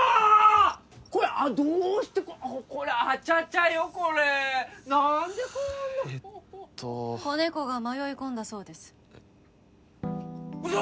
これどうしてこれあちゃちゃよこれ何でこんなえっと子猫が迷い込んだそうですえっウソ！